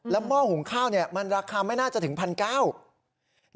หม้อหุงข้าวมันราคาไม่น่าจะถึง๑๙๐๐บาท